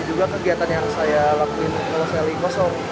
ini juga kegiatan yang saya lakuin kalau saya likosom